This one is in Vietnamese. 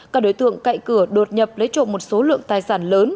các đối tượng cậy cửa đột nhập lấy trộm một số lượng tài sản lớn